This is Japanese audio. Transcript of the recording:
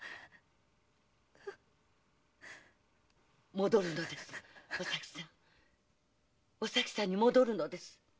戻るのですお咲さんお咲さんに戻るのです！